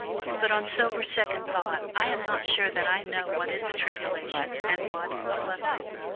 But on sober second thought I am not sure that I know what is a tribulation and what a blessing.